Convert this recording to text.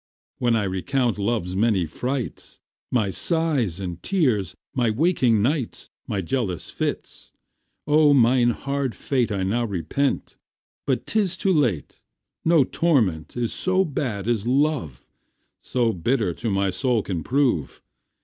When I recount love's many frights, My sighs and tears, my waking nights, My jealous fits; O mine hard fate I now repent, but 'tis too late. No torment is so bad as love, So bitter to my soul can prove.